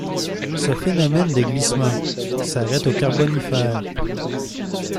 Ce phénomène de glissement s'arrête au Carbonifère.